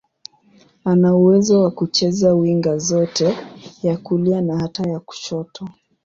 Ana uwezo wa kucheza winga zote, ya kulia na hata ya kushoto.